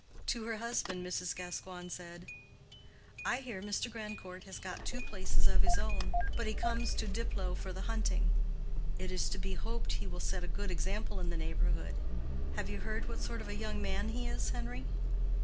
To her husband Mrs. Gascoigne said, "I hear Mr. Grandcourt has got two places of his own, but he comes to Diplow for the hunting. It is to be hoped he will set a good example in the neighborhood. Have you heard what sort of a young man he is, Henry?"